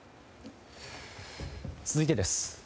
続いてです。